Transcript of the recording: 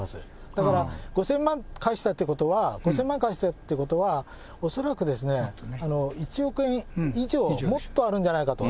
だから５０００万返したということは、５０００万返したということは、恐らく１億円以上、もっとあるんじゃないかと。